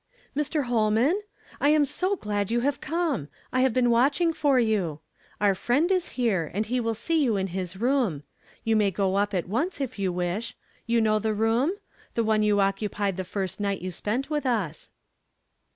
" Mr. Holnian ? I am so glad you liave come ! I have been watching for you. Our friend is here, and he will see you in his room. You may go up at once if you wish — you know the room? The one you occupied the fn st night you spent with us."